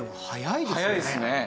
早いですね